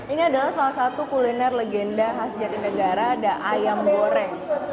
ini adalah salah satu kuliner legenda khas jatinegara ada ayam goreng